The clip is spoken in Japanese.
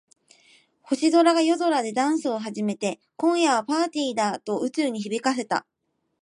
星座が夜空でダンスを始めて、「今夜はパーティーだ！」と宇宙に響かせた。